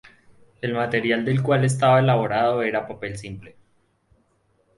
El material del cual estaba elaborado era papel simple.